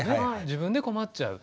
自分で困っちゃう。